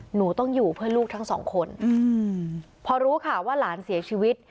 หนูต้องอยู่เพื่อลูกทั้งสองคนอืมพอรู้ข่าวว่าหลานเสียชีวิต